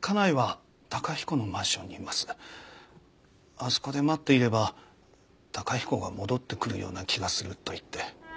あそこで待っていれば崇彦が戻ってくるような気がすると言って。